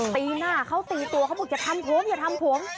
ตีหน้าเขาตีตัวเขาบอกอย่าทำผมอย่าทำผม